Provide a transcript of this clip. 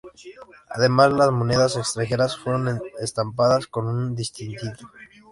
Además, las monedas extranjeras fueron estampadas con un distintivo.